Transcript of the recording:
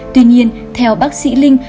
tuy nhiên theo bác sĩ linh